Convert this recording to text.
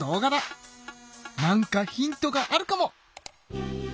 なんかヒントがあるかも！